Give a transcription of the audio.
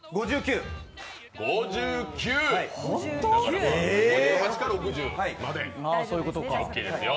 ５８から６０まで、オーケーですよ。